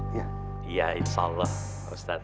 iya insya allah ustadz